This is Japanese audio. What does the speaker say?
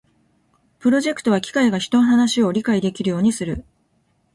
プロジェクトは機械が人の話を理解できるようにする